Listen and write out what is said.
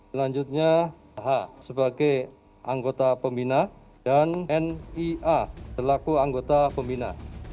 selanjutnya h sebagai anggota pembina dan nia selaku anggota pembina